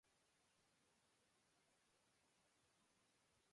Seperti anjing mengunyah tulang